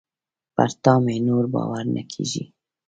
پر تا مي نور باور نه کېږي .